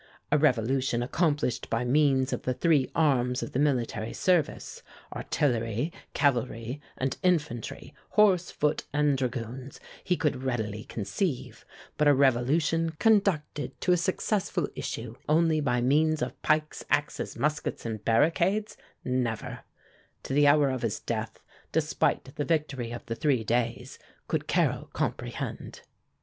A revolution accomplished by means of the three arms of the military service artillery, cavalry and infantry horse, foot and dragoons, he could readily conceive; but a revolution conducted to a successful issue only by means of pikes, axes, muskets and barricades, never, to the hour of his death, despite the victory of the Three Days, could Carrel comprehend."